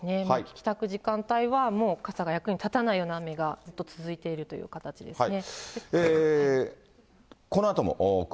帰宅時間帯はもう傘が役に立たないような雨が続いているという形ですね。